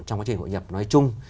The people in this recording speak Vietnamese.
trong quá trình hội nhập nói chung